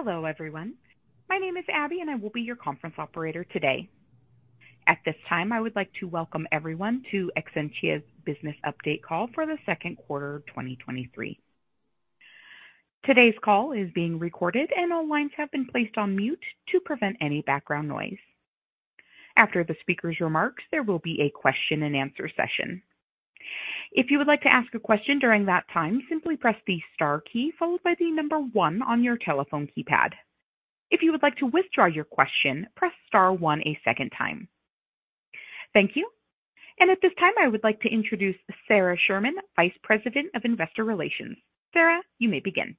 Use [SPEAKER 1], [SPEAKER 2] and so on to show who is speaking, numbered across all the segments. [SPEAKER 1] Hello, everyone. My name is Abby, and I will be your conference operator today. At this time, I would like to welcome everyone to Exscientia's business update call for the second quarter of 2023. Today's call is being recorded, and all lines have been placed on mute to prevent any background noise. After the speaker's remarks, there will be a question and answer session. If you would like to ask a question during that time, simply press the star key followed by one on your telephone keypad. If you would like to withdraw your question, press star one a second time. Thank you. At this time, I would like to introduce Sara Sherman, Vice President of Investor Relations. Sara, you may begin.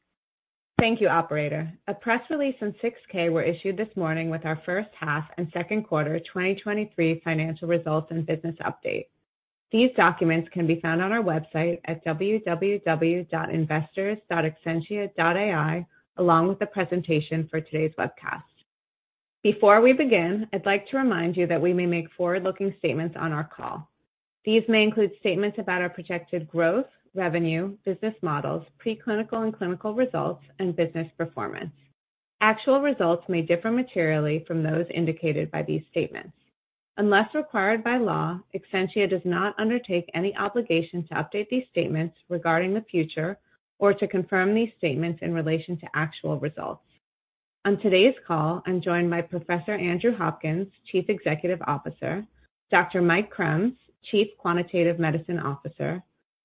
[SPEAKER 2] Thank you, operator. A press release and 6-K were issued this morning with our first half and second quarter 2023 financial results and business update. These documents can be found on our website at www.investors.exscientia.ai, along with the presentation for today's webcast. Before we begin, I'd like to remind you that we may make forward-looking statements on our call. These may include statements about our projected growth, revenue, business models, preclinical and clinical results, and business performance. Actual results may differ materially from those indicated by these statements. Unless required by law, Exscientia does not undertake any obligation to update these statements regarding the future or to confirm these statements in relation to actual results. On today's call, I'm joined by Professor Andrew Hopkins, Chief Executive Officer, Dr. Mike Krams, Chief Quantitative Medicine Officer,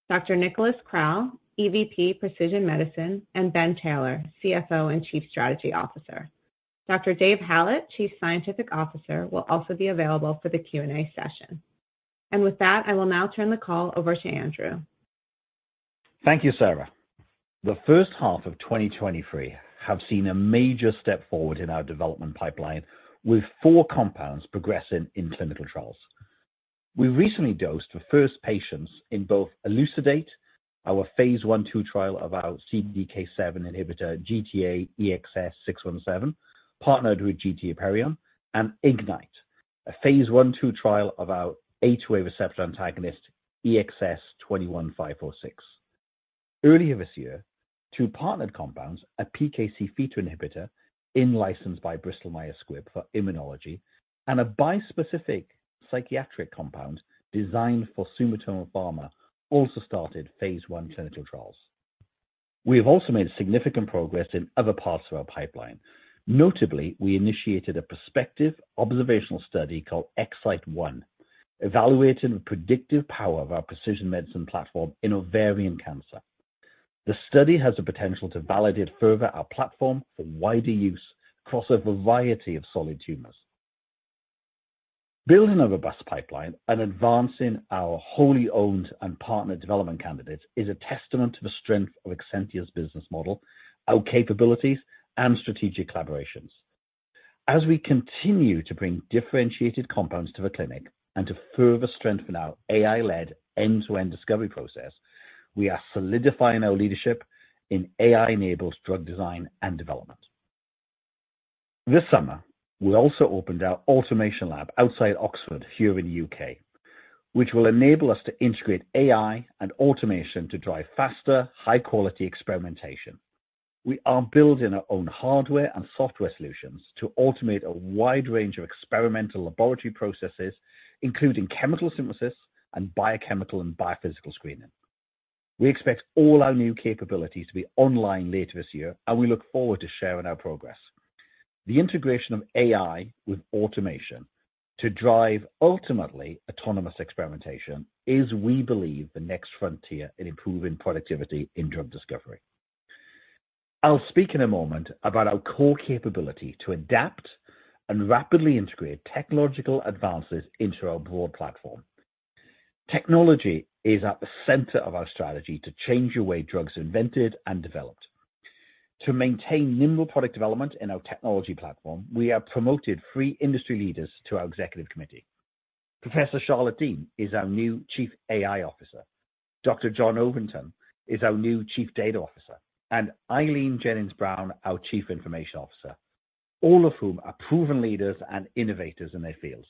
[SPEAKER 2] Dr. Nikolaus Krall, EVP Precision Medicine, and Ben Taylor, CFO, and Chief Strategy Officer. Dr. Dave Hallett, Chief Scientific Officer, will also be available for the Q&A session. With that, I will now turn the call over to Andrew.
[SPEAKER 3] Thank you, Sara. The first half of 2023 have seen a major step forward in our development pipeline, with four compounds progressing in clinical trials. We recently dosed the first patients in both ELUCIDATE, our phase I/II trial of our CDK7 inhibitor, GTAEXS617, partnered with GT Apeiron, and IGNITE, a phase I/II trial of our A2A receptor antagonist, EXS21546. Earlier this year, two partnered compounds, a PKC-theta inhibitor, in licensed by Bristol Myers Squibb for immunology, and a bispecific psychiatric compound designed for Sumitomo Pharma, also started phase I clinical trials. We have also made significant progress in other parts of our pipeline. Notably, we initiated a prospective observational study called EXCYTE-1, evaluating the predictive power of our precision medicine platform in ovarian cancer. The study has the potential to validate further our platform for wider use across a variety of solid tumors. Building of a bus pipeline and advancing our wholly owned and partnered development candidates is a testament to the strength of Exscientia's business model, our capabilities, and strategic collaborations. As we continue to bring differentiated compounds to the clinic and to further strengthen our AI-led end-to-end discovery process, we are solidifying our leadership in AI-enabled drug design and development. This summer, we also opened our automation lab outside Oxford, here in the U.K., which will enable us to integrate AI and automation to drive faster, high-quality experimentation. We are building our own hardware and software solutions to automate a wide range of experimental laboratory processes, including chemical synthesis and biochemical and biophysical screening. We expect all our new capabilities to be online later this year, and we look forward to sharing our progress. The integration of AI with automation to drive ultimately autonomous experimentation is, we believe, the next frontier in improving productivity in drug discovery. I'll speak in a moment about our core capability to adapt and rapidly integrate technological advances into our broad platform. Technology is at the center of our strategy to change the way drugs are invented and developed. To maintain nimble product development in our technology platform, we have promoted three industry leaders to our executive committee. Professor Charlotte Deane is our new Chief AI Officer, Dr. John Overington is our new Chief Data Officer, and Eileen Jennings-Brown, our Chief Information Officer, all of whom are proven leaders and innovators in their fields.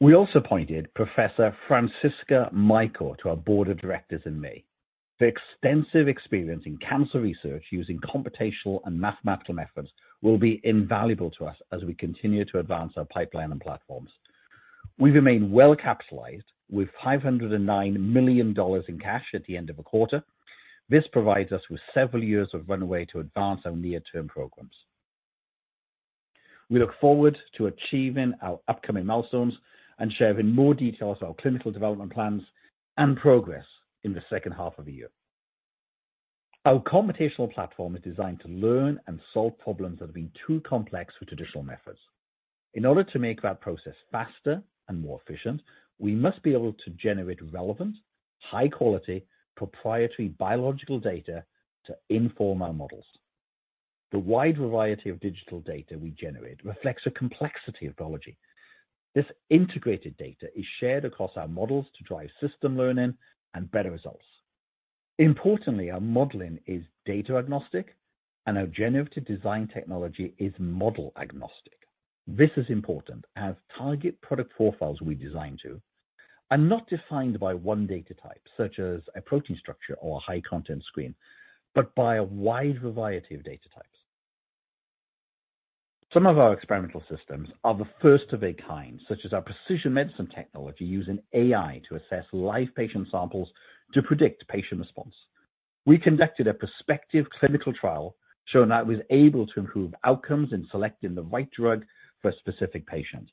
[SPEAKER 3] We also appointed Professor Franziska Michor to our Board of Directors in May. Her extensive experience in cancer research using computational and mathematical methods will be invaluable to us as we continue to advance our pipeline and platforms. We remain well-capitalized with $509 million in cash at the end of the quarter. This provides us with several years of runway to advance our near-term programs. We look forward to achieving our upcoming milestones and sharing more details of our clinical development plans and progress in the second half of the year. Our computational platform is designed to learn and solve problems that have been too complex for traditional methods. In order to make that process faster and more efficient, we must be able to generate relevant, high-quality, proprietary biological data to inform our models. The wide variety of digital data we generate reflects the complexity of biology. This integrated data is shared across our models to drive system learning and better results. Importantly, our modeling is data agnostic and our generative design technology is model agnostic. This is important as target product profiles we design to are not defined by one data type, such as a protein structure or a high-content screen, but by a wide variety of data types. Some of our experimental systems are the first of their kind, such as our precision medicine technology, using AI to assess live patient samples to predict patient response. We conducted a prospective clinical trial, showing that it was able to improve outcomes in selecting the right drug for a specific patient.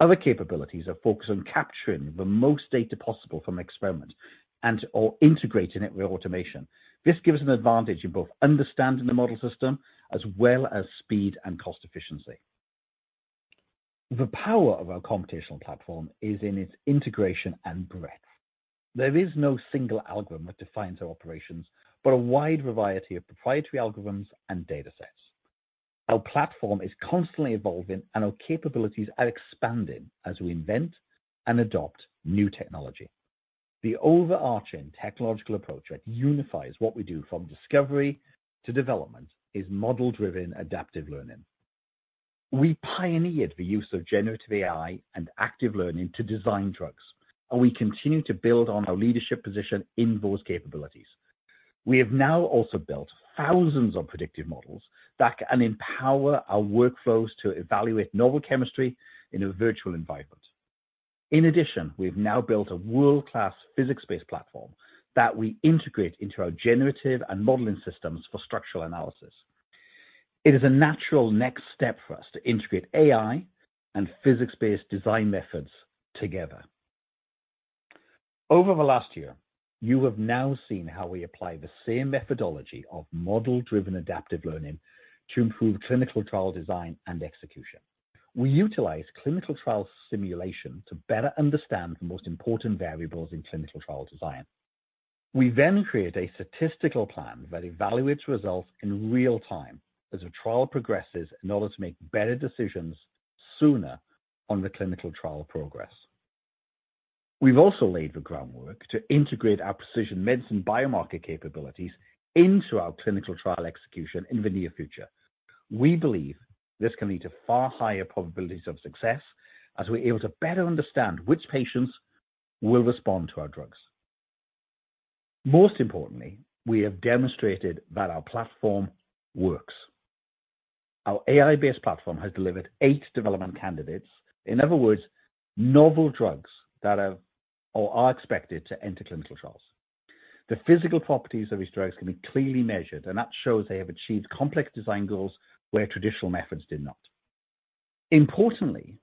[SPEAKER 3] Other capabilities are focused on capturing the most data possible from experiments and/or integrating it with automation. This gives us an advantage in both understanding the model system as well as speed and cost efficiency. The power of our computational platform is in its integration and breadth. There is no single algorithm that defines our operations, but a wide variety of proprietary algorithms and datasets. Our platform is constantly evolving, and our capabilities are expanding as we invent and adopt new technology. The overarching technological approach that unifies what we do, from discovery to development, is model-driven active learning. We pioneered the use of generative AI and active learning to design drugs, and we continue to build on our leadership position in those capabilities. We have now also built thousands of predictive models that can empower our workflows to evaluate novel chemistry in a virtual environment. In addition, we've now built a world-class physics-based platform that we integrate into our generative and modeling systems for structural analysis. It is a natural next step for us to integrate AI and physics-based design methods together. Over the last year, you have now seen how we apply the same methodology of model-driven adaptive learning to improve clinical trial design and execution. We utilize clinical trial simulation to better understand the most important variables in clinical trial design. We then create a statistical plan that evaluates results in real time as the trial progresses, in order to make better decisions sooner on the clinical trial progress. We've also laid the groundwork to integrate our precision medicine biomarker capabilities into our clinical trial execution in the near future. We believe this can lead to far higher probabilities of success as we're able to better understand which patients will respond to our drugs. Most importantly, we have demonstrated that our platform works. Our AI-based platform has delivered eight development candidates. In other words, novel drugs that have or are expected to enter clinical trials. The physical properties of these drugs can be clearly measured, and that shows they have achieved complex design goals where traditional methods did not. Importantly,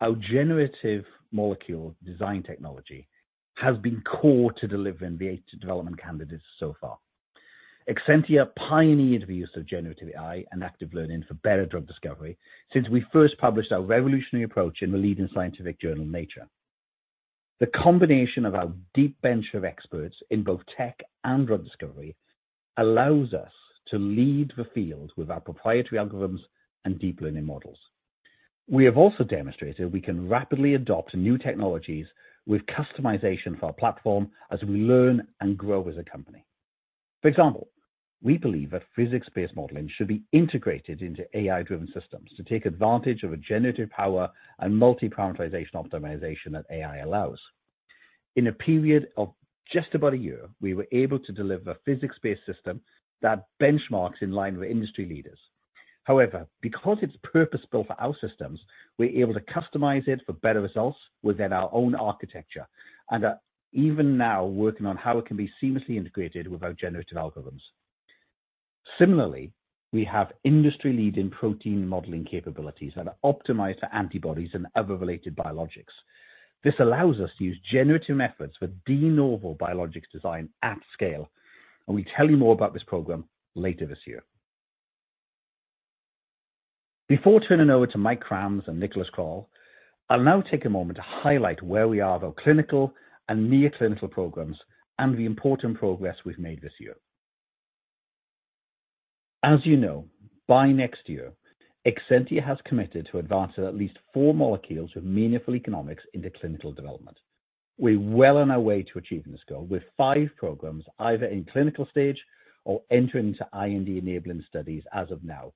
[SPEAKER 3] our generative molecule design technology has been core to delivering the eight development candidates so far. Exscientia pioneered the use of generative AI and active learning for better drug discovery since we first published our revolutionary approach in the leading scientific journal, Nature. The combination of our deep bench of experts in both tech and drug discovery allows us to lead the field with our proprietary algorithms and deep learning models. We have also demonstrated we can rapidly adopt new technologies with customization for our platform as we learn and grow as a company. For example, we believe that physics-based modeling should be integrated into AI-driven systems to take advantage of a generative power and multi-parameterization optimization that AI allows. In a period of just about a year, we were able to deliver a physics-based system that benchmarks in line with industry leaders. However, because it's purpose-built for our systems, we're able to customize it for better results within our own architecture and are even now working on how it can be seamlessly integrated with our generative algorithms. Similarly, we have industry-leading protein modeling capabilities that are optimized for antibodies and other related biologics. This allows us to use generative methods for de novo biologics design at scale, and we'll tell you more about this program later this year. Before turning over to Mike Krams and Nikolaus Krall, I'll now take a moment to highlight where we are with our clinical and near-clinical programs and the important progress we've made this year. As you know, by next year, Exscientia has committed to advancing at least four molecules with meaningful economics into clinical development. We're well on our way to achieving this goal, with five programs either in clinical stage or entering into IND-enabling studies as of now,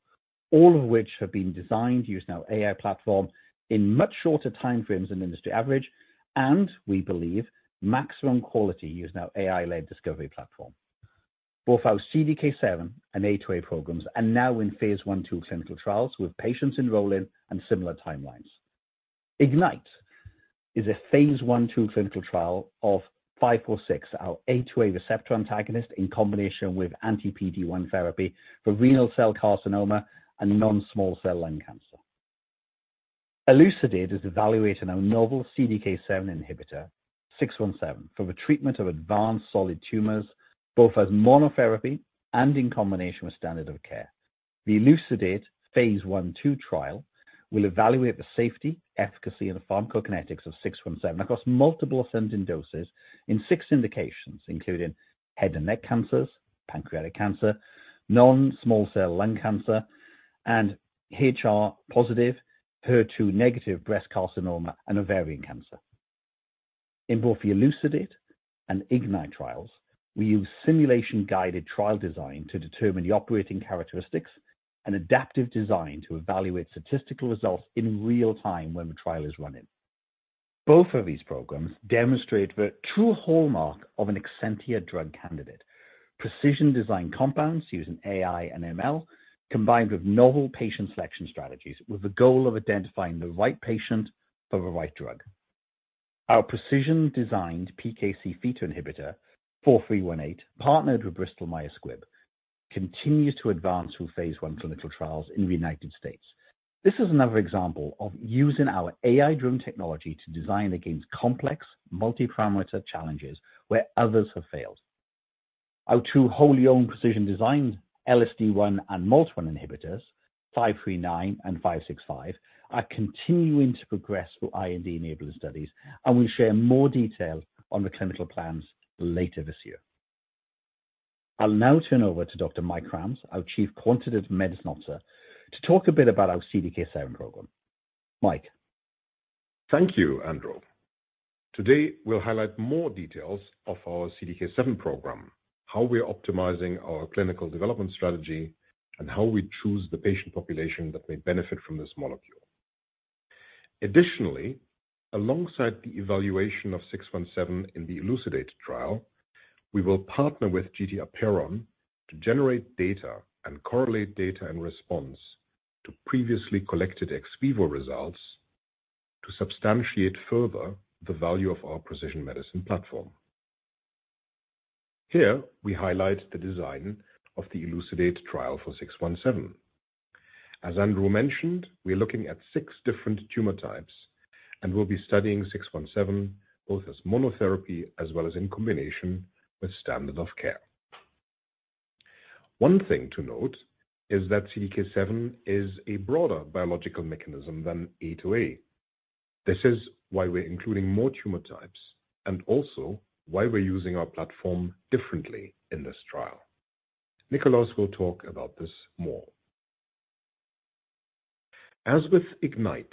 [SPEAKER 3] all of which have been designed using our AI platform in much shorter time frames than industry average, and we believe maximum quality using our AI-led discovery platform. Both our CDK7 and A2A programs are now in phase I/II clinical trials, with patients enrolling and similar timelines. IGNITE is a phase I/II clinical trial of EXS21546, our A2A receptor antagonist, in combination with anti-PD-1 therapy for renal cell carcinoma and non-small cell lung cancer. ELUCIDATE is evaluating our novel CDK7 inhibitor, GTAEXS617, for the treatment of advanced solid tumors, both as monotherapy and in combination with standard of care. The ELUCIDATE phase I/II trial will evaluate the safety, efficacy, and the pharmacokinetics of 617 across multiple ascending doses in 6 indications, including head and neck cancers, pancreatic cancer, non-small cell lung cancer, and HR-positive, HER2-negative breast carcinoma, and ovarian cancer. In both the ELUCIDATE and IGNITE trials, we use simulation-guided trial design to determine the operating characteristics and adaptive design to evaluate statistical results in real time when the trial is running. Both of these programs demonstrate the true hallmark of an Exscientia drug candidate. Precision-designed compounds using AI and ML, combined with novel patient selection strategies, with the goal of identifying the right patient for the right drug. Our precision-designed PKC theta inhibitor, 4318, partnered with Bristol Myers Squibb, continues to advance through phase I clinical trials in the United States. This is another example of using our AI-driven technology to design against complex, multi-parameter challenges where others have failed. Our two wholly-owned precision-designed LSD1 and MALT1 inhibitors, 539 and 565, are continuing to progress through IND-enabling studies, and we'll share more detail on the clinical plans later this year. I'll now turn over to Dr. Mike Krams, our Chief Quantitative Medicine Officer, to talk a bit about our CDK7 program. Mike?
[SPEAKER 4] Thank you, Andrew. Today, we'll highlight more details of our CDK7 program, how we're optimizing our clinical development strategy, and how we choose the patient population that may benefit from this molecule. Additionally, alongside the evaluation of 617 in the ELUCIDATE trial, we will partner with GT Apeiron to generate data and correlate data and response to previously collected ex vivo results, to substantiate further the value of our precision medicine platform. Here, we highlight the design of the ELUCIDATE trial for 617. As Andrew mentioned, we're looking at six different tumor types, and we'll be studying 617 both as monotherapy as well as in combination with standard of care. One thing to note is that CDK7 is a broader biological mechanism than A2A. This is why we're including more tumor types and also why we're using our platform differently in this trial. Nikolaus will talk about this more. As with IGNITE,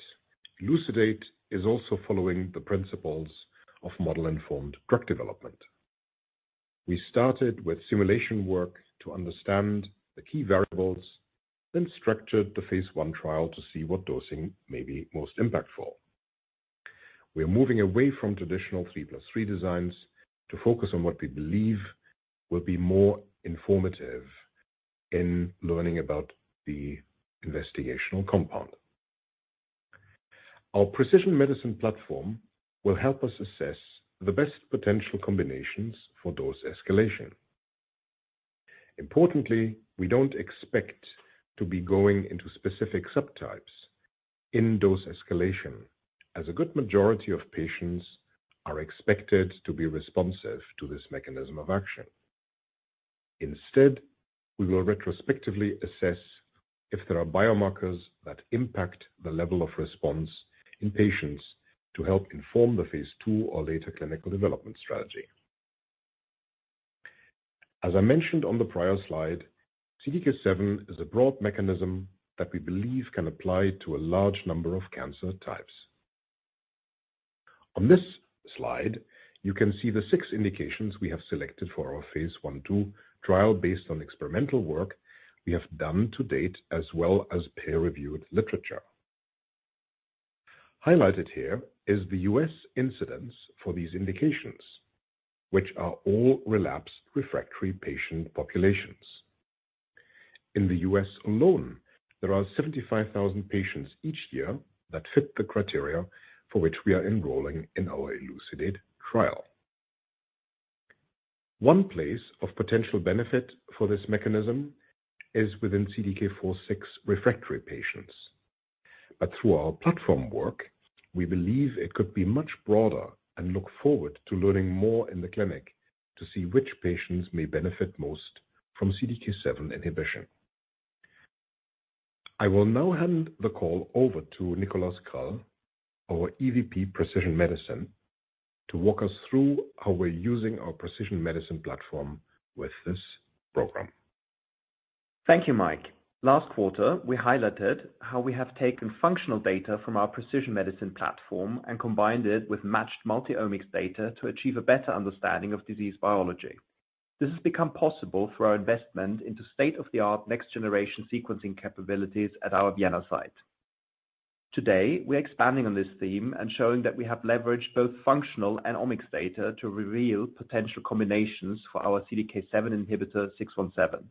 [SPEAKER 4] ELUCIDATE is also following the principles of model-informed drug development. We started with simulation work to understand the key variables, then structured the phase I trial to see what dosing may be most impactful. We are moving away from traditional 3+3 designs, to focus on what we believe will be more informative in learning about the investigational compound. Our precision medicine platform will help us assess the best potential combinations for dose escalation. Importantly, we don't expect to be going into specific subtypes in dose escalation, as a good majority of patients are expected to be responsive to this mechanism of action. Instead, we will retrospectively assess if there are biomarkers that impact the level of response in patients to help inform the phase II or later clinical development strategy. As I mentioned on the prior slide, CDK7 is a broad mechanism that we believe can apply to a large number of cancer types. On this slide, you can see the six indications we have selected for our phase I/II trial based on experimental work we have done to date, as well as peer-reviewed literature. Highlighted here is the US incidence for these indications, which are all relapsed refractory patient populations. In the US alone, there are 75,000 patients each year that fit the criteria for which we are enrolling in our ELUCIDATE trial. One place of potential benefit for this mechanism is within CDK4/6 refractory patients. Through our platform work, we believe it could be much broader and look forward to learning more in the clinic, to see which patients may benefit most from CDK7 inhibition. I will now hand the call over to Nikolaus Krall, our EVP, Precision Medicine, to walk us through how we're using our precision medicine platform with this program.
[SPEAKER 5] Thank you, Mike. Last quarter, we highlighted how we have taken functional data from our precision medicine platform and combined it with matched multi-omics data to achieve a better understanding of disease biology. This has become possible through our investment into state-of-the-art, next-generation sequencing capabilities at our Vienna site. Today, we're expanding on this theme and showing that we have leveraged both functional and omics data to reveal potential combinations for our CDK7 inhibitor 617.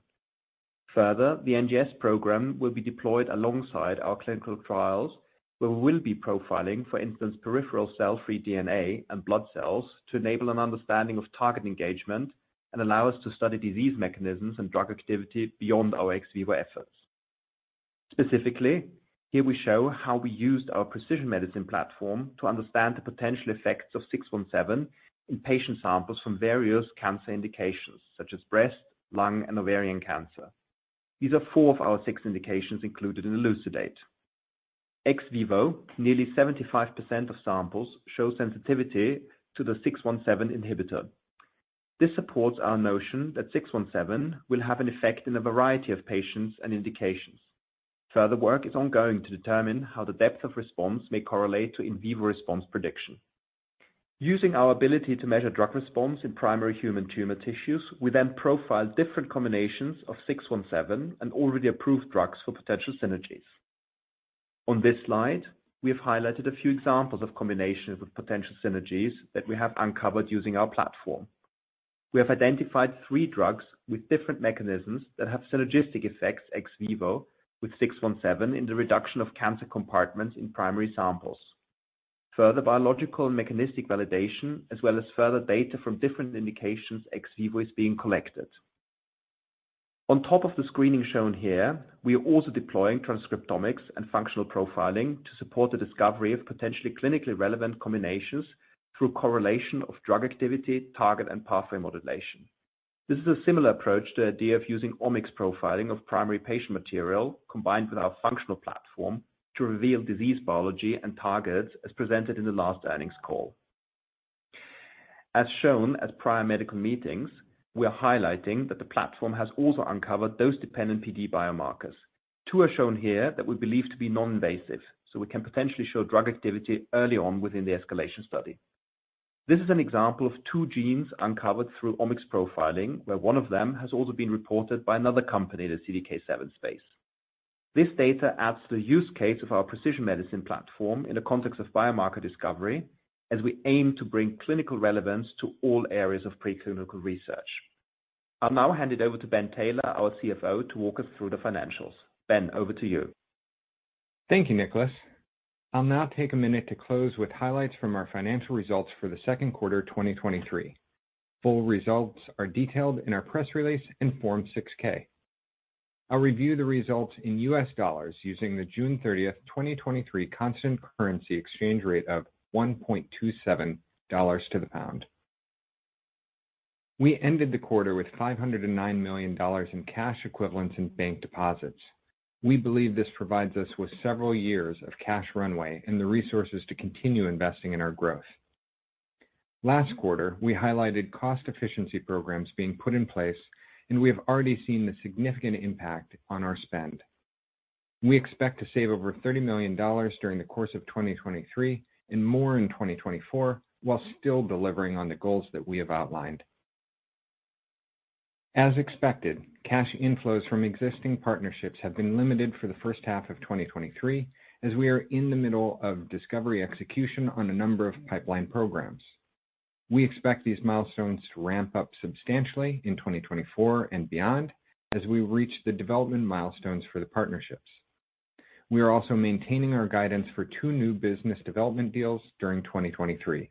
[SPEAKER 5] Further, the NGS program will be deployed alongside our clinical trials, where we will be profiling, for instance, peripheral cell-free DNA and blood cells, to enable an understanding of target engagement and allow us to study disease mechanisms and drug activity beyond our ex vivo efforts. Specifically, here we show how we used our precision medicine platform to understand the potential effects of 617 in patient samples from various cancer indications, such as breast, lung, and ovarian cancer. These are four of our six indications included in ELUCIDATE. Ex vivo, nearly 75% of samples show sensitivity to the 617 inhibitor. This supports our notion that 617 will have an effect in a variety of patients and indications. Further work is ongoing to determine how the depth of response may correlate to in vivo response prediction. Using our ability to measure drug response in primary human tumor tissues, we then profile different combinations of 617 and already approved drugs for potential synergies. On this slide, we have highlighted a few examples of combinations of potential synergies that we have uncovered using our platform. We have identified three drugs with different mechanisms that have synergistic effects ex vivo, with GTAEXS617 in the reduction of cancer compartments in primary samples. Further biological and mechanistic validation, as well as further data from different indications ex vivo, is being collected. On top of the screening shown here, we are also deploying transcriptomics and functional profiling to support the discovery of potentially clinically relevant combinations through correlation of drug activity, target, and pathway modulation. This is a similar approach to the idea of using omics profiling of primary patient material, combined with our functional platform, to reveal disease biology and targets, as presented in the last earnings call. As shown at prior medical meetings, we are highlighting that the platform has also uncovered dose-dependent PD biomarkers. Two are shown here that we believe to be non-invasive, so we can potentially show drug activity early on within the escalation study. This is an example of two genes uncovered through omics profiling, where one of them has also been reported by another company in the CDK7 space. This data adds to the use case of our precision medicine platform in the context of biomarker discovery, as we aim to bring clinical relevance to all areas of preclinical research. I'll now hand it over to Ben Taylor, our CFO, to walk us through the financials. Ben, over to you.
[SPEAKER 6] Thank you, Nicholas. I'll now take a minute to close with highlights from our financial results for the second quarter, 2023. Full results are detailed in our press release in Form 6-K. I'll review the results in U.S. dollars using the June 30, 2023, constant currency exchange rate of $1.27 to the pound. We ended the quarter with $509 million in cash equivalents in bank deposits. We believe this provides us with several years of cash runway and the resources to continue investing in our growth. Last quarter, we highlighted cost efficiency programs being put in place, and we have already seen a significant impact on our spend. We expect to save over $30 million during the course of 2023 and more in 2024, while still delivering on the goals that we have outlined. As expected, cash inflows from existing partnerships have been limited for the first half of 2023, as we are in the middle of discovery execution on a number of pipeline programs. We expect these milestones to ramp up substantially in 2024 and beyond as we reach the development milestones for the partnerships. We are also maintaining our guidance for two new business development deals during 2023.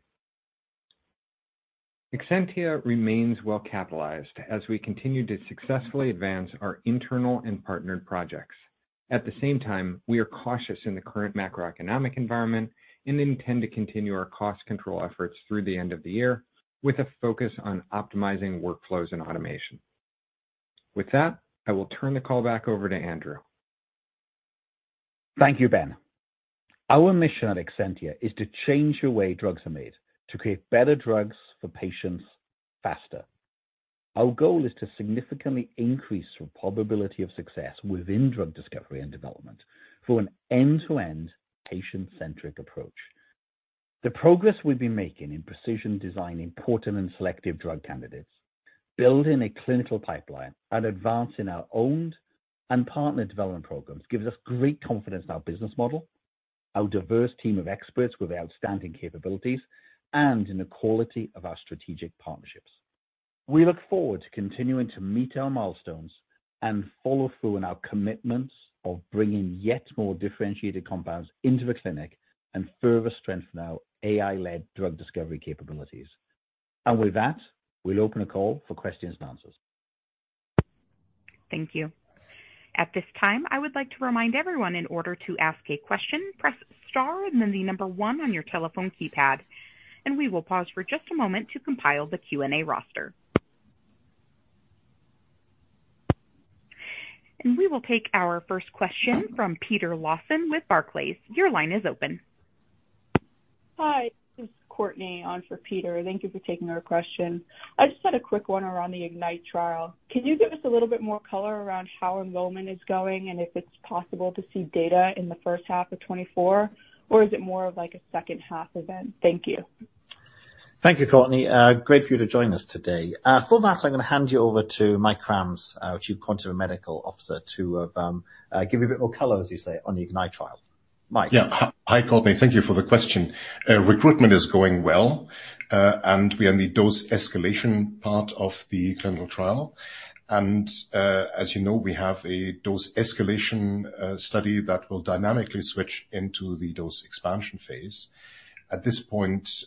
[SPEAKER 6] Exscientia remains well capitalized as we continue to successfully advance our internal and partnered projects. At the same time, we are cautious in the current macroeconomic environment and intend to continue our cost control efforts through the end of the year, with a focus on optimizing workflows and automation. With that, I will turn the call back over to Andrew.
[SPEAKER 3] Thank you, Ben. Our mission at Exscientia is to change the way drugs are made, to create better drugs for patients faster. Our goal is to significantly increase the probability of success within drug discovery and development through an end-to-end patient-centric approach. The progress we've been making in precision designing potent and selective drug candidates, building a clinical pipeline, and advancing our owned and partner development programs, gives us great confidence in our business model, our diverse team of experts with outstanding capabilities, and in the quality of our strategic partnerships. We look forward to continuing to meet our milestones and follow through on our commitments of bringing yet more differentiated compounds into the clinic and further strengthen our AI-led drug discovery capabilities. With that, we'll open a call for questions and answers.
[SPEAKER 1] Thank you. At this time, I would like to remind everyone, in order to ask a question, press star and then the number 1 on your telephone keypad. We will pause for just a moment to compile the Q&A roster. We will take our first question from Peter Lawson with Barclays. Your line is open.
[SPEAKER 7] Hi, this is Courtney on for Peter. Thank you for taking our question. I just had a quick one around the IGNITE trial. Can you give us a little bit more color around how enrollment is going and if it's possible to see data in the first half of 2024? Or is it more of like a second half event? Thank you.
[SPEAKER 3] Thank you, Courtney. great for you to join us today. for that, I'm going to hand you over to Mike Krams, our Chief Quantitative Medicine Officer, to give you a bit more color, as you say, on the IGNITE trial. Mike?
[SPEAKER 4] Yeah. Hi, Courtney. Thank you for the question. Recruitment is going well, and we are in the dose escalation part of the clinical trial. As you know, we have a dose escalation study that will dynamically switch into the dose expansion phase. At this point,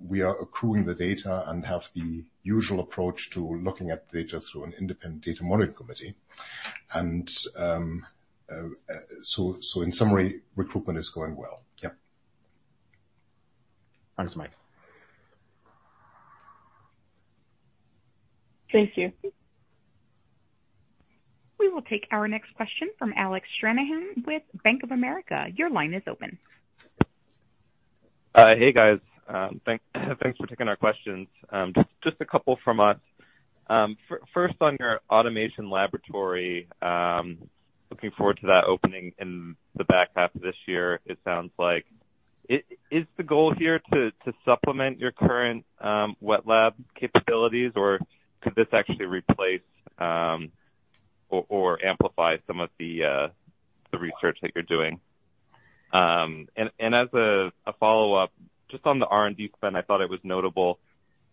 [SPEAKER 4] we are accruing the data and have the usual approach to looking at data through an Independent Data Monitoring Committee. In summary, recruitment is going well. Yeah.
[SPEAKER 3] Thanks, Mike.
[SPEAKER 7] Thank you.
[SPEAKER 1] We will take our next question from Alec Stranahan with Bank of America. Your line is open.
[SPEAKER 8] Hey, guys. Thanks for taking our questions. Just a couple from us. First, on your automation laboratory, looking forward to that opening in the back half of this year, it sounds like. Is the goal here to supplement your current wet lab capabilities, or could this actually replace or amplify some of the research that you're doing? As a follow-up, just on the R&D spend, I thought it was notable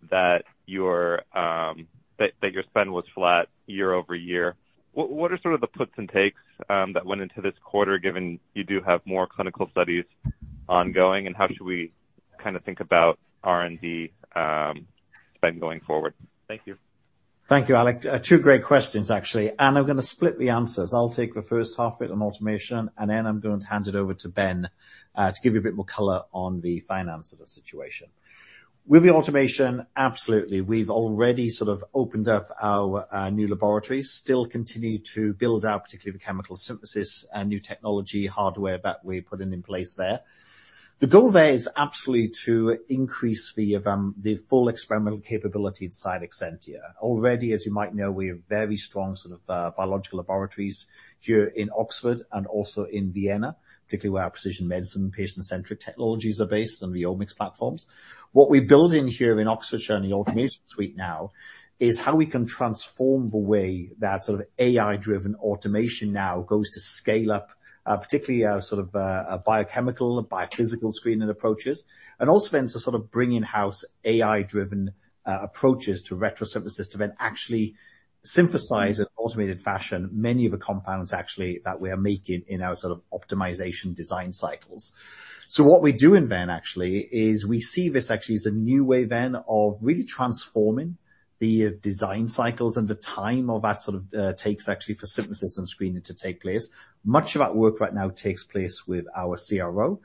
[SPEAKER 8] that your spend was flat year-over-year. What are sort of the puts and takes that went into this quarter, given you do have more clinical studies ongoing, and how should we kinda think about R&D spend going forward? Thank you.
[SPEAKER 3] Thank you, Alex. Two great questions, actually, I'm gonna split the answers. I'll take the first half of it on automation, then I'm going to hand it over to Ben to give you a bit more color on the finance of the situation. With the automation, absolutely. We've already sort of opened up our new laboratory, still continue to build out, particularly the chemical synthesis and new technology hardware that we're putting in place there. The goal there is absolutely to increase the full experimental capability inside Exscientia. Already, as you might know, we have very strong sort of biological laboratories here in Oxford and also in Vienna, particularly where our precision medicine, patient-centric technologies are based on the omics platforms. What we're building here in Oxfordshire, in the automation suite now, is how we can transform the way that sort of AI-driven automation now goes to scale up, particularly our sort of, biochemical, biophysical screening approaches, and also then to sort of bring in-house AI-driven approaches to retrosynthesis system, and actually synthesize in automated fashion many of the compounds, actually, that we are making in our sort of optimization design cycles. What we're doing then, actually, is we see this actually as a new way then of really transforming the design cycles and the time of that sort of, takes actually for synthesis and screening to take place. Much of that work right now takes place with our CRO.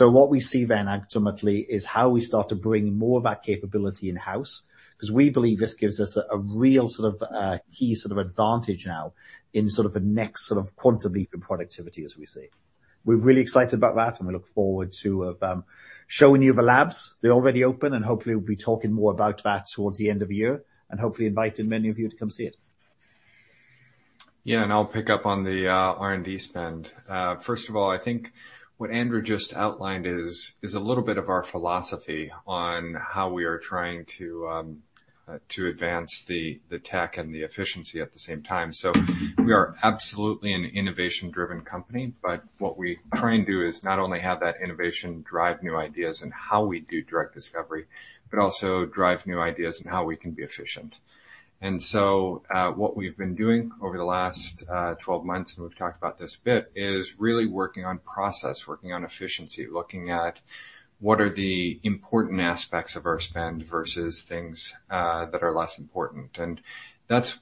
[SPEAKER 3] What we see then, ultimately, is how we start to bring more of that capability in-house, 'cause we believe this gives us a real sort of key sort of advantage now in sort of a next sort of quantitative leap in productivity as we see. We're really excited about that, and we look forward to showing you the labs. They're already open, and hopefully we'll be talking more about that towards the end of the year and hopefully inviting many of you to come see it.
[SPEAKER 6] Yeah, I'll pick up on the R&D spend. First of all, I think what Andrew just outlined is a little bit of our philosophy on how we are trying to advance the tech and the efficiency at the same time. We are absolutely an innovation-driven company, but what we try and do is not only have that innovation drive new ideas and how we do drug discovery, but also drive new ideas on how we can be efficient. What we've been doing over the last 12 months, and we've talked about this a bit, is really working on process, working on efficiency, looking at what are the important aspects of our spend versus things that are less important. That's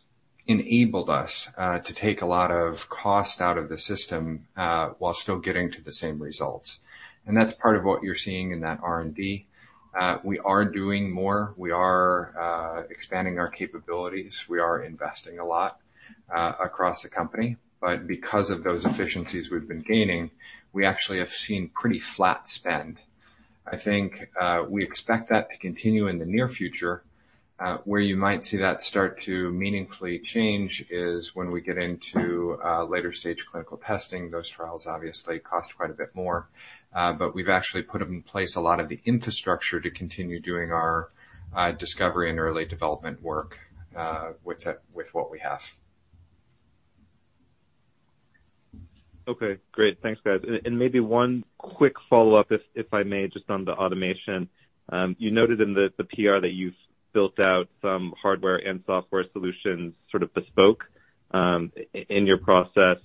[SPEAKER 6] enabled us to take a lot of cost out of the system while still getting to the same results. That's part of what you're seeing in that R&D. We are doing more. We are expanding our capabilities. We are investing a lot across the company, but because of those efficiencies we've been gaining, we actually have seen pretty flat spend. I think we expect that to continue in the near future. Where you might see that start to meaningfully change is when we get into later stage clinical testing. Those trials obviously cost quite a bit more, but we've actually put in place a lot of the infrastructure to continue doing our discovery and early development work with that, with what we have.
[SPEAKER 8] Okay, great. Thanks, guys. Maybe one quick follow-up if I may, just on the automation. You noted in the PR that you've built out some hardware and software solutions, sort of bespoke, in your process.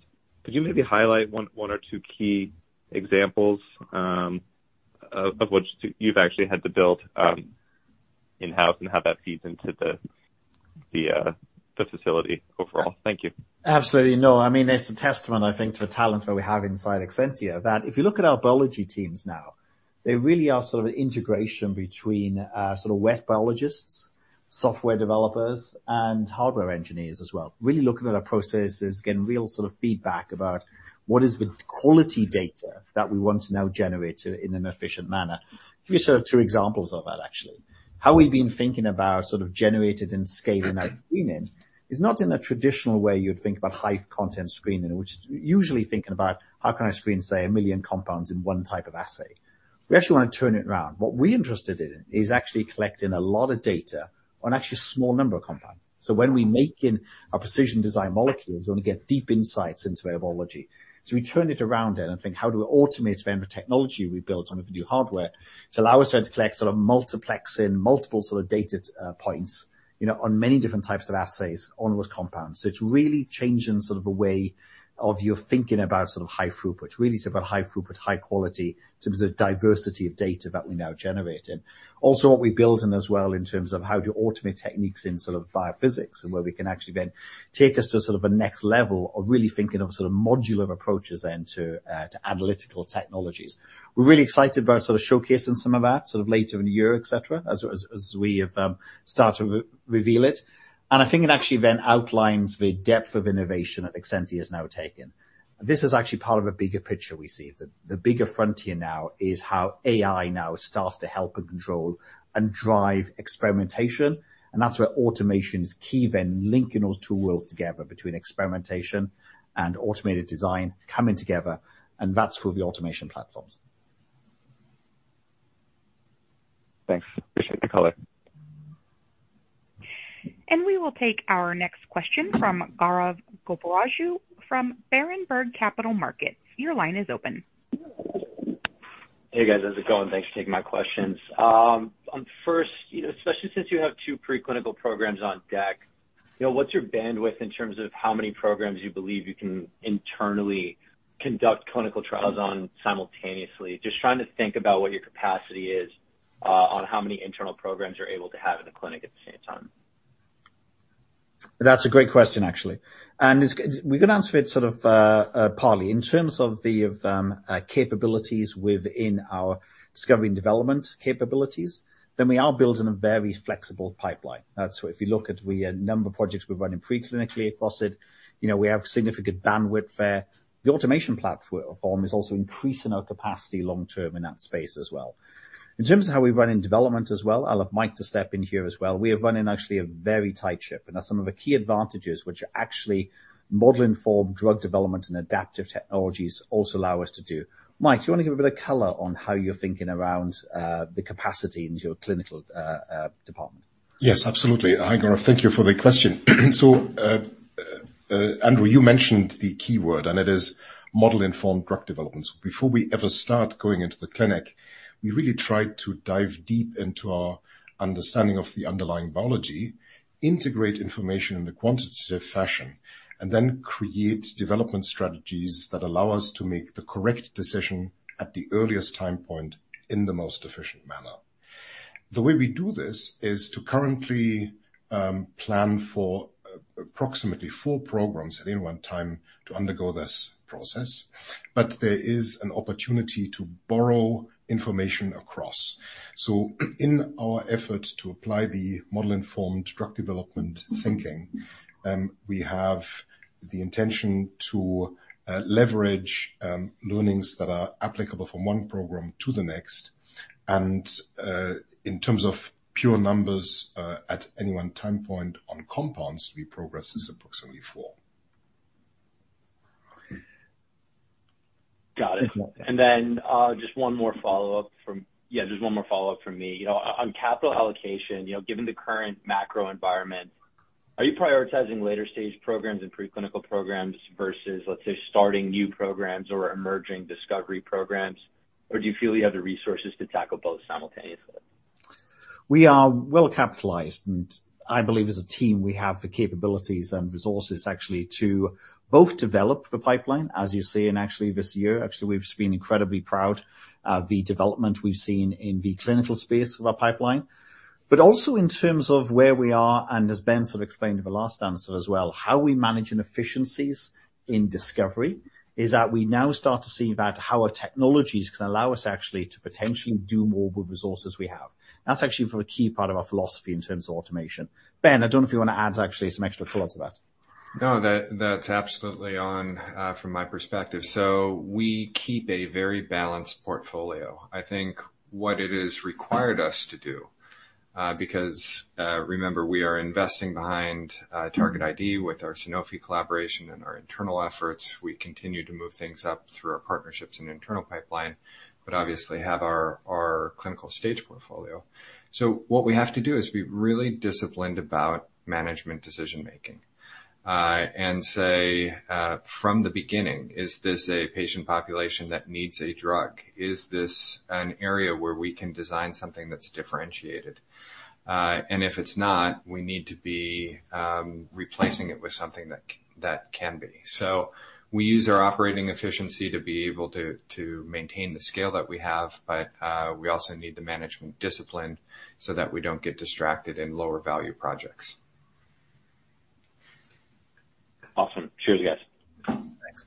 [SPEAKER 8] Could you maybe highlight one or two key examples of which you've actually had to build in-house and how that feeds into the facility overall? Thank you.
[SPEAKER 3] Absolutely. No, I mean, it's a testament, I think, to the talent that we have inside Exscientia, that if you look at our biology teams now, they really are sort of an integration between our sort of wet biologists, software developers, and hardware engineers as well. Really looking at our processes, getting real sort of feedback about what is the quality data that we want to now generate in an efficient manner. Give you sort of two examples of that, actually. How we've been thinking about sort of generating and scaling our screening is not in a traditional way you'd think about high-content screening, which is usually thinking about: How can I screen, say, 1 million compounds in one type of assay? We actually want to turn it around. What we're interested in is actually collecting a lot of data on actually a small number of compounds. When we make in our precision design molecules, we want to get deep insights into our biology. We turn it around then and think: How do we automate them, the technology we built on the new hardware, to allow us then to collect sort of multiplex in multiple sort of data points, you know, on many different types of assays, on those compounds? It's really changing sort of a way of you thinking about sort of high throughput. Really, it's about high throughput, high quality, in terms of diversity of data that we're now generating. Also, what we building as well in terms of how to automate techniques in sort of biophysics and where we can actually then take us to sort of a next level of really thinking of sort of modular approaches then to analytical technologies. We're really excited about sort of showcasing some of that, sort of later in the year, et cetera, as we start to re-reveal it. I think it actually then outlines the depth of innovation that Exscientia has now taken. This is actually part of a bigger picture we see. The bigger frontier now is how AI now starts to help and control and drive experimentation, and that's where automation is key, then linking those two worlds together between experimentation and automated design coming together, and that's for the automation platforms.
[SPEAKER 8] Thanks. Appreciate the color.
[SPEAKER 1] We will take our next question from Gaurav Goparaju from Berenberg Capital Markets. Your line is open.
[SPEAKER 9] Hey, guys. How's it going? Thanks for taking my questions. on first, you know, especially since you have 2 preclinical programs on deck, you know, what's your bandwidth in terms of how many programs you believe you can internally conduct clinical trials on simultaneously? Just trying to think about what your capacity is, on how many internal programs you're able to have in the clinic at the same time?
[SPEAKER 3] That's a great question, actually, and it's we're going to answer it sort of, partly. In terms of the capabilities within our discovery and development capabilities, then we are building a very flexible pipeline. That's if you look at the number of projects we're running preclinically across it, you know, we have significant bandwidth there. The automation platform is also increasing our capacity long term in that space as well. In terms of how we run in development as well, I'll have Mike to step in here as well. We are running actually a very tight ship, and that's some of the key advantages which are actually model-informed drug development and adaptive technologies also allow us to do. Mike, do you want to give a bit of color on how you're thinking around the capacity in your clinical department?
[SPEAKER 4] Yes, absolutely. Hi, Gaurav, thank you for the question. Andrew, you mentioned the key word, and it is model-informed drug development. Before we ever start going into the clinic, we really try to dive deep into our understanding of the underlying biology, integrate information in a quantitative fashion, and then create development strategies that allow us to make the correct decision at the earliest time point in the most efficient manner. The way we do this is to currently plan for approximately four programs at any one time to undergo this process, but there is an opportunity to borrow information across. In our efforts to apply the model-informed drug development thinking, we have the intention to leverage learnings that are applicable from one program to the next. In terms of pure numbers, at any one time point on compounds, we progress is approximately four.
[SPEAKER 9] Got it.
[SPEAKER 4] Yeah.
[SPEAKER 9] Just one more follow-up from... Yeah, just one more follow-up from me. You know, on capital allocation, you know, given the current macro environment, are you prioritizing later stage programs and preclinical programs versus, let's say, starting new programs or emerging discovery programs? Or do you feel you have the resources to tackle both simultaneously?
[SPEAKER 3] We are well capitalized. I believe as a team, we have the capabilities and resources actually to both develop the pipeline, as you see, and actually this year, actually, we've been incredibly proud of the development we've seen in the clinical space of our pipeline. Also in terms of where we are, and as Ben sort of explained in the last answer as well, how we manage inefficiencies in discovery, is that we now start to see about how our technologies can allow us actually to potentially do more with resources we have. That's actually for a key part of our philosophy in terms of automation. Ben, I don't know if you want to add actually some extra color to that.
[SPEAKER 6] No, that, that's absolutely on from my perspective. We keep a very balanced portfolio. I think what it has required us to do because remember, we are investing behind target ID with our Sanofi collaboration and our internal efforts. We continue to move things up through our partnerships and internal pipeline, but obviously have our, our clinical stage portfolio. What we have to do is be really disciplined about management decision making and say from the beginning, is this a patient population that needs a drug? Is this an area where we can design something that's differentiated? And if it's not, we need to be replacing it with something that can be. We use our operating efficiency to be able to maintain the scale that we have, but, we also need the management discipline so that we don't get distracted in lower value projects.
[SPEAKER 9] Awesome. Cheers, guys.
[SPEAKER 1] Thanks.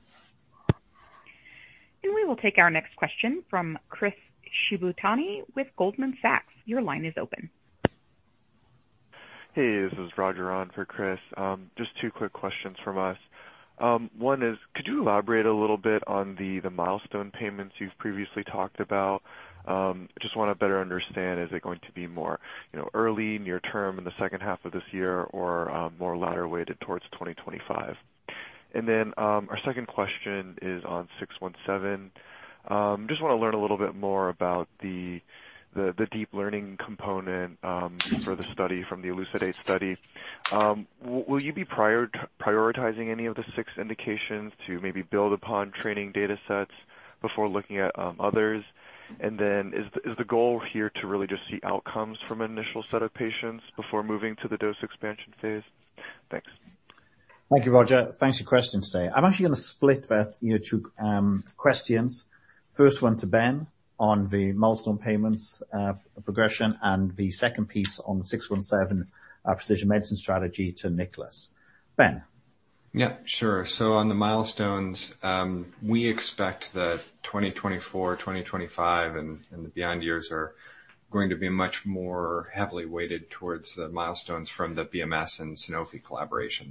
[SPEAKER 1] We will take our next question from Chris Shibutani with Goldman Sachs. Your line is open.
[SPEAKER 10] Hey, this is Roger on for Chris. Just two quick questions from us. One is, could you elaborate a little bit on the milestone payments you've previously talked about? Just want to better understand, is it going to be more, you know, early near term in the second half of this year or more latter weighted towards 2025? Our second question is on 617. Just want to learn a little bit more about the deep learning component for the study from the ELUCIDATE study. Will you be prioritizing any of the six indications to maybe build upon training datasets before looking at others? Is the goal here to really just see outcomes from an initial set of patients before moving to the dose expansion phase? Thanks.
[SPEAKER 3] Thank you, Roger. Thanks for your questions today. I'm actually going to split that, you know, 2 questions. First one to Ben on the milestone payments, progression, and the second piece on the 617 precision medicine strategy to Nikolaus. Ben?
[SPEAKER 6] Yeah, sure. On the milestones, we expect that 2024, 2025, and the beyond years are going to be much more heavily weighted towards the milestones from the BMS and Sanofi collaboration.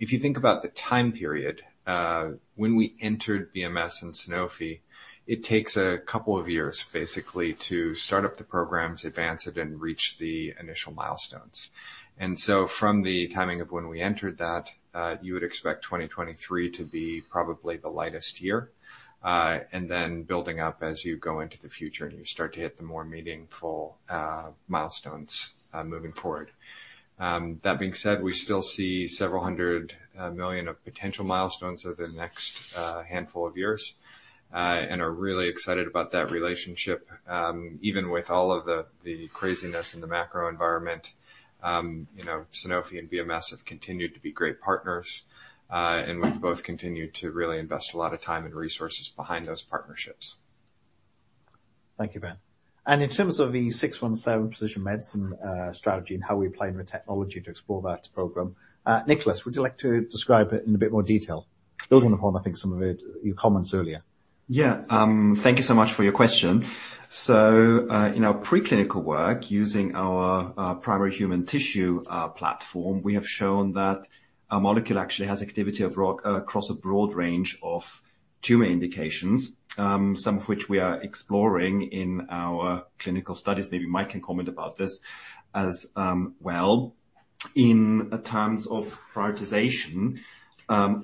[SPEAKER 6] If you think about the time period, when we entered BMS and Sanofi, it takes a couple of years, basically, to start up the programs, advance it, and reach the initial milestones. From the timing of when we entered that, you would expect 2023 to be probably the lightest year. And then building up as you go into the future, and you start to hit the more meaningful, milestones, moving forward. That being said, we still see $several hundred million of potential milestones over the next, handful of years, and are really excited about that relationship. Even with all of the, the craziness in the macro environment, you know, Sanofi and BMS have continued to be great partners, we've both continued to really invest a lot of time and resources behind those partnerships.
[SPEAKER 3] Thank you, Ben. In terms of the 617 precision medicine strategy and how we apply the technology to explore that program, Nicholas, would you like to describe it in a bit more detail, building upon, I think, some of it, your comments earlier?
[SPEAKER 5] Yeah. Thank you so much for your question. In our preclinical work, using our primary human tissue platform, we have shown that a molecule actually has activity across a broad range of tumor indications, some of which we are exploring in our clinical studies. Maybe Mike can comment about this as well. In terms of prioritization,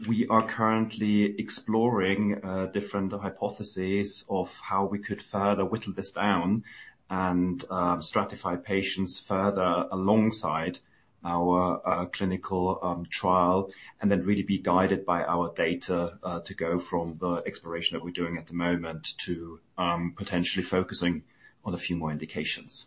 [SPEAKER 5] we are currently exploring different hypotheses of how we could further whittle this down and stratify patients further alongside our clinical trial, and then really be guided by our data to go from the exploration that we're doing at the moment to potentially focusing on a few more indications.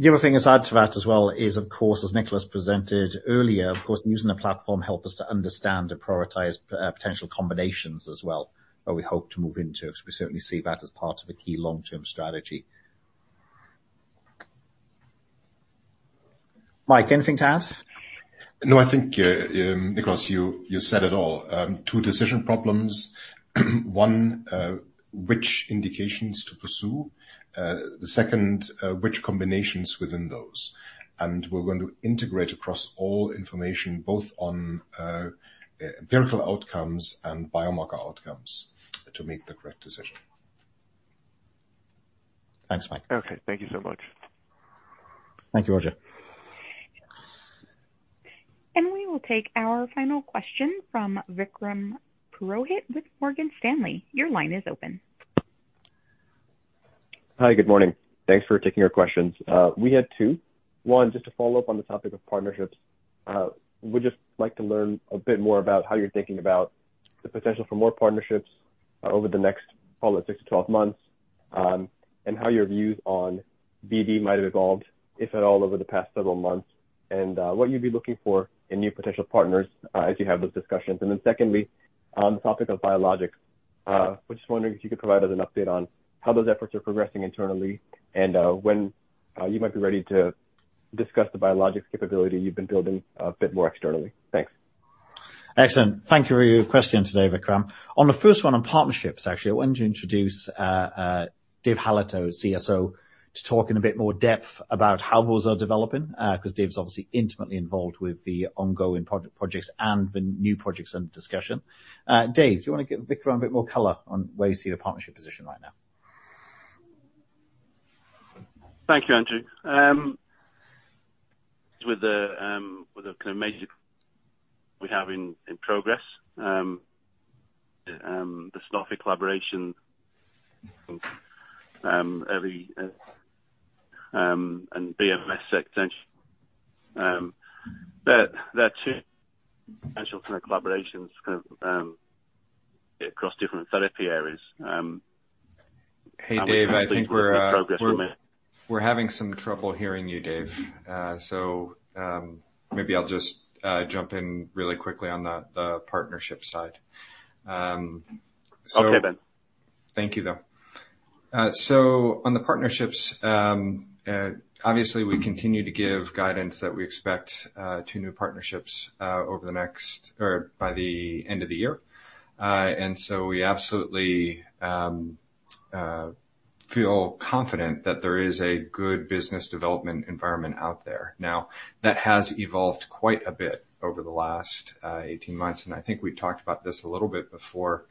[SPEAKER 3] The other thing I'd add to that as well is, of course, as Nicholas presented earlier, of course, using the platform help us to understand and prioritize potential combinations as well. We hope to move into it. We certainly see that as part of a key long-term strategy. Mike, anything to add?
[SPEAKER 4] No, I think, Nicholas, you, you said it all. Two decision problems, one, which indications to pursue? The second, which combinations within those? We're going to integrate across all information, both on empirical outcomes and biomarker outcomes to make the correct decision.
[SPEAKER 3] Thanks, Mike.
[SPEAKER 10] Okay, thank you so much.
[SPEAKER 3] Thank you, Roger.
[SPEAKER 1] We will take our final question from Vikram Purohit with Morgan Stanley. Your line is open.
[SPEAKER 11] Hi, good morning. Thanks for taking our questions. We had Two. One, just to follow up on the topic of partnerships, would just like to learn a bit more about how you're thinking about the potential for more partnerships over the next call it six-12 months, and how your views on BD might have evolved, if at all, over the past several months, and what you'd be looking for in new potential partners as you have those discussions. Secondly, on the topic of biologics, we're just wondering if you could provide us an update on how those efforts are progressing internally and when you might be ready to discuss the Biologics capability you've been building a bit more externally. Thanks.
[SPEAKER 3] Excellent. Thank you for your questions today, Vikram. On the first one, on partnerships, actually, I wanted to introduce Dave Hallett, our CSO, to talk in a bit more depth about how those are developing, because Dave's obviously intimately involved with the ongoing projects and the new projects under discussion. Dave, do you want to give Vikram a bit more color on where you see the partnership position right now?
[SPEAKER 12] Thank you, Andrew. With the kind of major we have in progress, and the Sanofi collaboration, early, and BMS section, that, there are two potential collaborations across different therapy areas.
[SPEAKER 6] Hey, Dave, I think we're having some trouble hearing you, Dave. Maybe I'll just jump in really quickly on the partnership side.
[SPEAKER 12] Okay.
[SPEAKER 6] Thank you, though. On the partnerships, obviously, we continue to give guidance that we expect two new partnerships over the next or by the end of the year. We absolutely feel confident that there is a good business development environment out there. Now, that has evolved quite a bit over the last 18 months, and I think we talked about this a little bit before.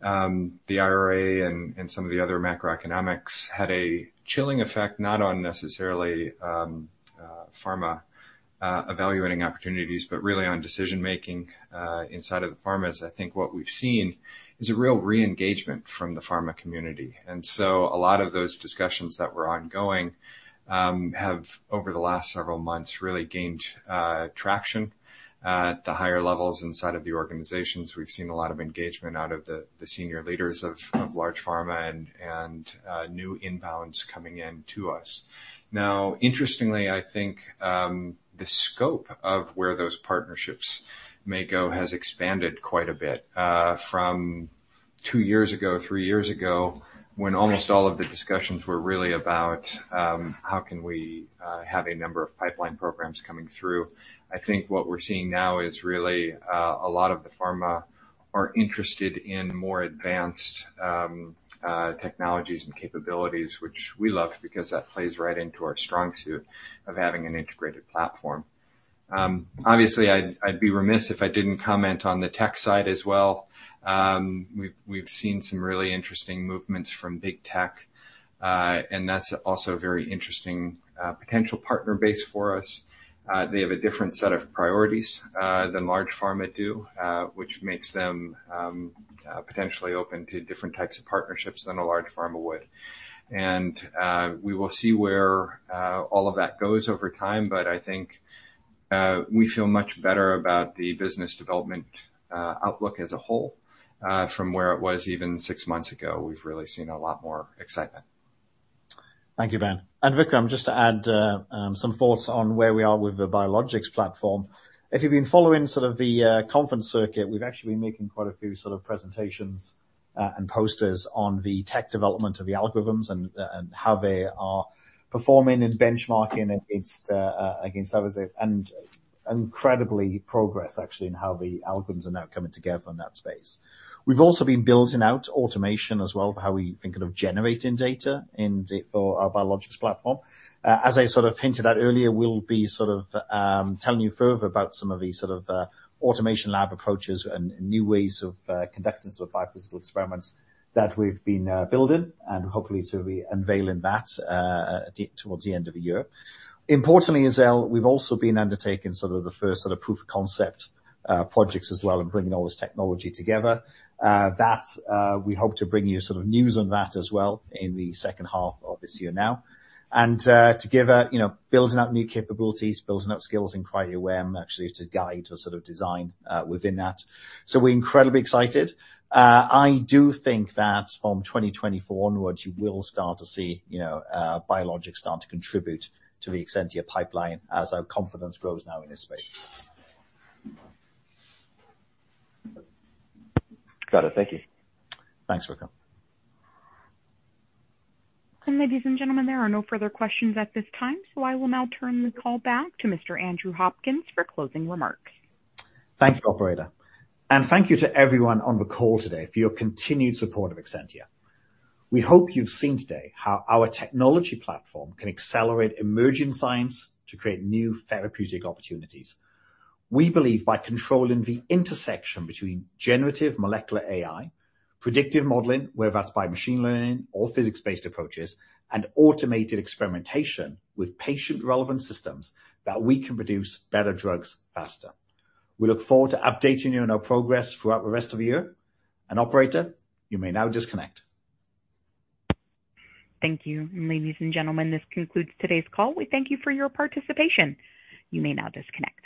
[SPEAKER 6] The IRA and some of the other macroeconomics had a chilling effect, not on necessarily pharma evaluating opportunities, but really on decision-making inside of the pharmas. I think what we've seen is a real re-engagement from the pharma community. A lot of those discussions that were ongoing, have, over the last several months, really gained traction. At the higher levels inside of the organizations, we've seen a lot of engagement out of the, the senior leaders of, of large pharma and, and, new inbounds coming in to us. Interestingly, I think, the scope of where those partnerships may go has expanded quite a bit, two years ago, three years ago, when almost all of the discussions were really about, how can we, have a number of pipeline programs coming through? I think what we're seeing now is really, a lot of the pharma are interested in more advanced, technologies and capabilities, which we love, because that plays right into our strong suit of having an integrated platform. Obviously, I'd, I'd be remiss if I didn't comment on the tech side as well. We've, we've seen some really interesting movements from big tech, that's also a very interesting potential partner base for us. They have a different set of priorities than large pharma do, which makes them potentially open to different types of partnerships than a large pharma would. We will see where all of that goes over time, but I think we feel much better about the business development outlook as a whole from where it was even 6 months ago. We've really seen a lot more excitement.
[SPEAKER 3] Thank you, Ben. Vikram, just to add, some thoughts on where we are with the biologics platform. If you've been following sort of the conference circuit, we've actually been making quite a few sort of presentations and posters on the tech development of the algorithms and how they are performing and benchmarking against the against others, and incredibly progress, actually, in how the algorithms are now coming together in that space. We've also been building out automation as well, for how we think of generating data in the, for our biologics platform. As I sort of hinted at earlier, we'll be sort of telling you further about some of the sort of automation lab approaches and new ways of conducting sort of biophysical experiments that we've been building, and hopefully to be unveiling that towards the end of the year. Importantly, as well, we've also been undertaking sort of the first sort of proof-of-concept projects as well, and bringing all this technology together. That we hope to bring you sort of news on that as well in the second half of this year now. To give a, you know, building out new capabilities, building out skills in quality awareness, actually, to guide or sort of design within that. We're incredibly excited. I do think that from 2024 onwards, you will start to see, you know, Biologics start to contribute to the Exscientia pipeline as our confidence grows now in this space.
[SPEAKER 11] Got it. Thank you.
[SPEAKER 3] Thanks, Vikram.
[SPEAKER 1] Ladies and gentlemen, there are no further questions at this time, so I will now turn the call back to Mr. Andrew Hopkins for closing remarks.
[SPEAKER 3] Thank you, Operator, and thank you to everyone on the call today for your continued support of Exscientia. We hope you've seen today how our technology platform can accelerate emerging science to create new therapeutic opportunities. We believe by controlling the intersection between generative molecular AI, predictive modeling, whether that's by machine learning or physics-based approaches, and automated experimentation with patient-relevant systems, that we can produce better drugs faster. We look forward to updating you on our progress throughout the rest of the year. Operator, you may now disconnect.
[SPEAKER 1] Thank you. Ladies and gentlemen, this concludes today's call. We thank you for your participation. You may now disconnect.